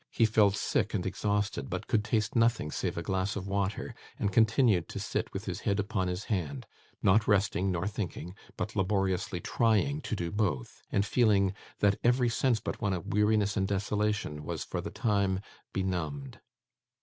He felt sick and exhausted, but could taste nothing save a glass of water, and continued to sit with his head upon his hand; not resting nor thinking, but laboriously trying to do both, and feeling that every sense but one of weariness and desolation, was for the time benumbed.